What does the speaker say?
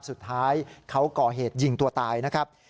สุดท้ายเขาก่อเหตุยิงตัวตายนะครับ